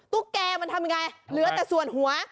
ตุ๊กแกมันทำยังไงเหลือแต่ส่วนหัว